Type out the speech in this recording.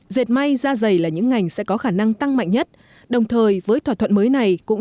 dệt may ra dày là những ngành sẽ có khả năng tăng mạnh nhất đồng thời với thỏa thuận mới này cũng